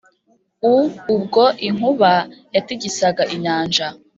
u ubwo inkuba yatigisaga inyanja.